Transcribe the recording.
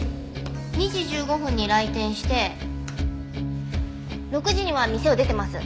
２時１５分に来店して６時には店を出てます。